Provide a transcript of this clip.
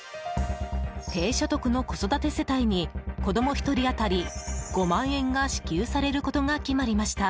低所得の子育て世帯に子供１人当たり５万円が支給されることが決まりました。